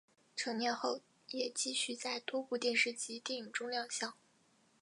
成年后也继续在多部电视及电影中亮相。